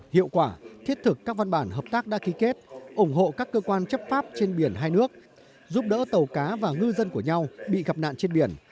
hiệu quả thiết thực các văn bản hợp tác đã ký kết ủng hộ các cơ quan chấp pháp trên biển hai nước giúp đỡ tàu cá và ngư dân của nhau bị gặp nạn trên biển